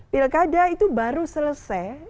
pilkada itu baru selesai